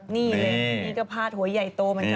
นี่เลยนี่ก็พาดหัวใหญ่โตเหมือนกัน